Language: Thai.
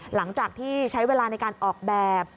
หลังจากที่ใช้เวลาในการออกแบบ